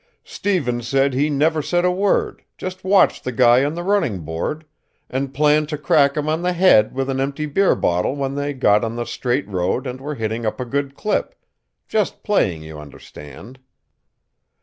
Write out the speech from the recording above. "Stevens said he never said a word, just watched the guy on the running board, and planned to crack him on the head with an empty beer bottle when they got on the straight road and were hitting up a good clip just playing, you understand.